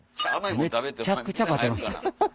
めっちゃくちゃバテました。